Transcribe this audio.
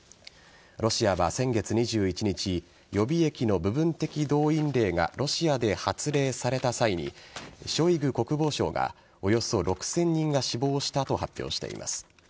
ロシアは先月２１日予備役の部分的動員令がロシアで発令された際にショイグ国防相がおよそ６０００人が死亡したと発表しています。